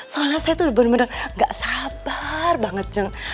soalnya saya tuh bener bener gak sabar banget